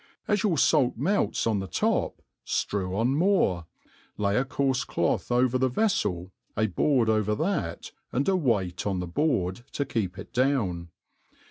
As your fait melts Qti the top, firew on more, lay a coarfe 9loth over the vefTel, a board over that, and a weight on the board to keep it down.